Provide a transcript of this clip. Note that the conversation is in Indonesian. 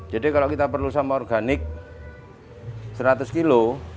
jadi kalau kita perlu sampah organik seratus kg